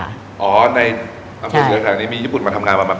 อ๋อในอังกฤษฐศรีรษะนี้มีญี่ปุ่นมาทำงานประมาณ๘๐คน